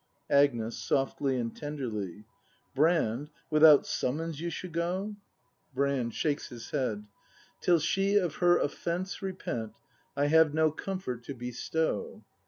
Agnes. [Softly and tenderly.] Brand, without summons you should go ? 102 ACT III] BRAND 103 Brand. [Shakes his head.] Till she of her offence repent I have no comfort to bestow.